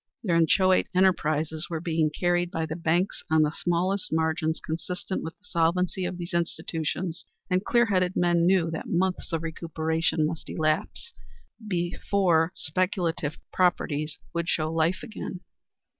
Their inchoate enterprises were being carried by the banks on the smallest margins consistent with the solvency of those institutions, and clear headed men knew that months of recuperation must elapse before speculative properties would show life again.